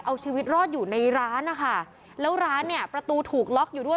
เอาชีวิตรอดอยู่ในร้านนะคะแล้วร้านเนี่ยประตูถูกล็อกอยู่ด้วย